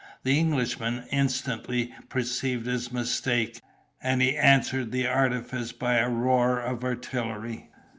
The Englishman instantly perceived his mistake, and he answered the artifice by a roar of artillery.